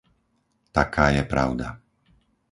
Taká je pravda.